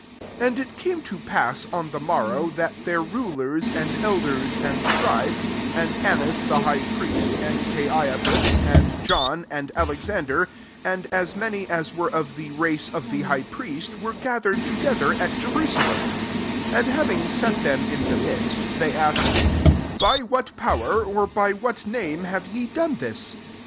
5 And it came to pass, im the morrow, that their rulers, m^ elders, and scribes, 6 and Asa nas the high priest, and Cidft*'' phas, and John, and Aleitand^ and as many as were of tii# race of the high'^riest, ^mm gathered together at JerusataAi 7 And having set them in AA midst, they asked, << By wtutf" power, or by what name, hsre ye done this